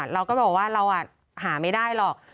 เราก็บอกว่าเราหาไม่ได้หรอก